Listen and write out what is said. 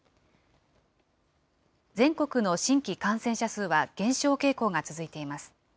全国の新規感染者数は減少傾向が続いています。